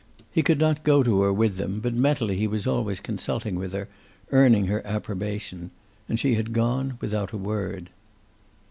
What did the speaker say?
He could not go to her with them, but mentally he was always consulting with her, earning her approbation. And she had gone without a word.